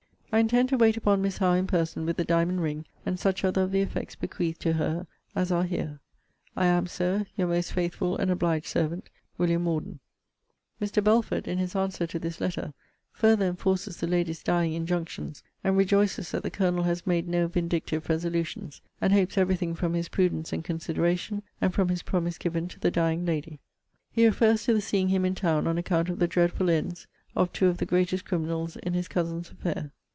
I intend to wait upon Miss Howe in person with the diamond ring, and such other of the effects bequeathed to her as are here. I am, Sir, Your most faithful and obliged servant, WM. MORDEN. [Mr. Belford, in his answer to this letter, farther enforces the lady's dying injunctions; and rejoices that the Colonel has made no vindictive resolutions; and hopes every thing from his prudence and consideration, and from his promise given to the dying lady. He refers to the seeing him in town on account of the dreadful ends of two of the greatest criminals in his cousin's affair.